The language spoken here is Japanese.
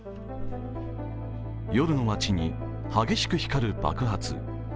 夜の街に激しく光る爆発。